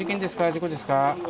事故ですか？